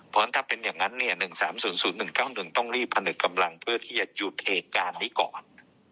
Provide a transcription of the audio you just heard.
เพราะฉะนั้นถ้าเป็นอย่างนั้น๑๓๐๐๑๙๑ต้องรีบผนึกกำลังเพื่อที่จะหยุดเหตุการณ์นี้ก่อน